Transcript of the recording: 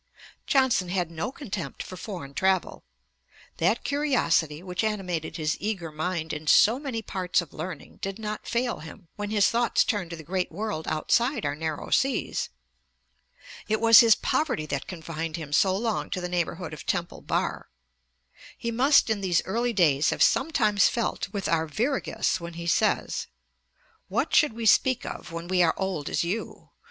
Johnson had no contempt for foreign travel. That curiosity which animated his eager mind in so many parts of learning did not fail him, when his thoughts turned to the great world outside our narrow seas. It was his poverty that confined him so long to the neighbourhood of Temple Bar. He must in these early days have sometimes felt with Arviragus when he says: 'What should we speak of When we are old as you?